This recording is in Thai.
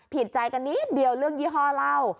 ผิดใจกันนิดเดียวเรื่องยี่ห้อเหล้า